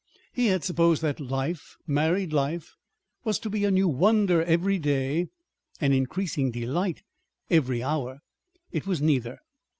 He had supposed that life, married life, was to be a new wonder every day; an increasing delight every hour. It was neither.